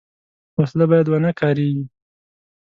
وسله باید ونهکارېږي